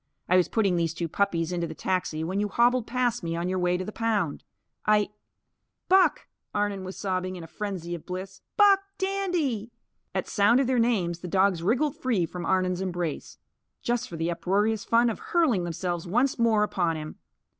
I was putting these two puppies into the taxi when you hobbled past me on your way to the pound. I " "Buck!" Arnon was sobbing, in a frenzy of bliss. "Buck! Dandy!" At sound of their names, the dogs wriggled free from Arnon's embrace just for the uproarious fun of hurling themselves once more upon him.